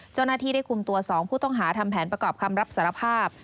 เจ้าหน้าที่ได้คุมตัว๒ผู้ต้องหาทำแผนประกอบคำรับสารภาพ